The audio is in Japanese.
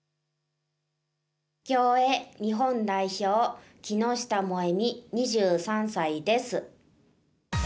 競泳日本代表木下萌実、２３歳です。